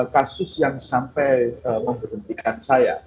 kasus yang sampai memberhentikan saya